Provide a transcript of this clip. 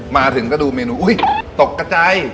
มาถึงก็ดูเมนูอุ๊ยตกกระจาย